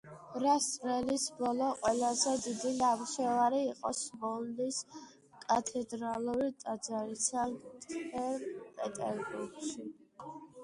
რასტრელის ბოლო ყველაზე დიდი ნამუშევარი იყო სმოლნის კათედრალური ტაძარი, სანქტ-პეტერბურგში.